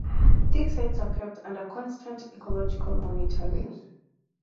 These sites are kept under constant ecological monitoring.